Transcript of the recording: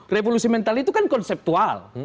revolusi mental itu kan konseptual